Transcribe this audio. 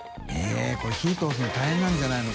─舛これ火通すの大変なんじゃないの？